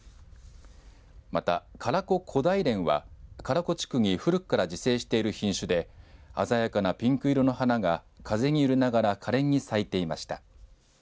また唐比古代蓮は唐比地区に古くから自生している品種で鮮やかなピンク色の花が風に揺れながら可憐に咲いていました。